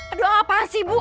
aduh apaan sih ibu